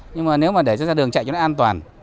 nhưng mà nếu mà để cho ra đường chạy cho nó an toàn